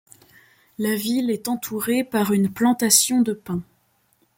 La ville est entourée par une plantation de pins.